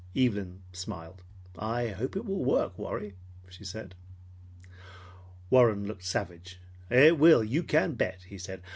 Evelyn smiled. "I hope it will work, Warry," she said. Warren looked savage. "It will, you can bet," he said.